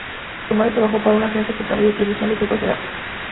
Su madre trabajó para una agencia estatal de distribución de objetos de arte.